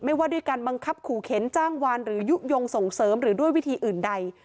ว่าด้วยการบังคับขู่เข็นจ้างวานหรือยุโยงส่งเสริมหรือด้วยวิธีอื่นใด